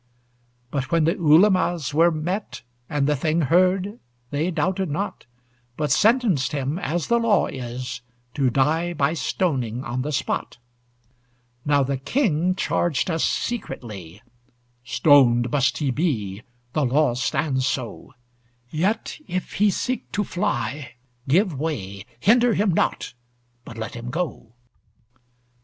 But when the Ulemas were met, And the thing heard, they doubted not; But sentenced him, as the law is, To die by stoning on the spot. Now the King charged us secretly: "Stoned must he be, the law stands so. Yet, if he seek to fly, give way; Hinder him not, but let him go."